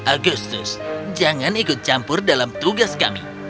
agustus jangan ikut campur dalam tugas kami